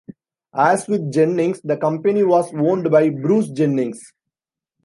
As with Jennings, the company was owned by Bruce Jennings.